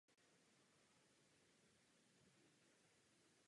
Zabýval se moderními technickými metodami.